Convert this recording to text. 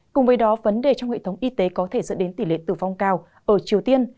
cùng với đó vấn đề trong hệ thống y tế có thể dẫn đến tỷ lệ tử vong cao ở triều tiên